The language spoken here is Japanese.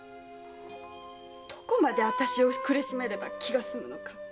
どこまであたしを苦しめれば気が済むのか！